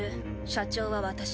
社長は私。